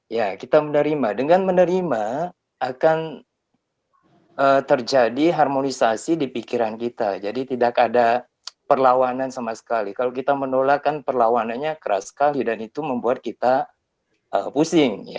ya kita menerima dengan menerima akan terjadi harmonisasi di pikiran kita jadi tidak ada perlawanan sama sekali kalau kita menolak kan perlawanannya keras sekali dan itu membuat kita pusing